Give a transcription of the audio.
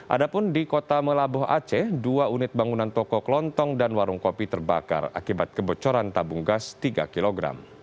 ada pun di kota melabuh aceh dua unit bangunan toko kelontong dan warung kopi terbakar akibat kebocoran tabung gas tiga kg